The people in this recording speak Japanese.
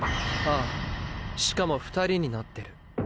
ああしかも“２人”になってる。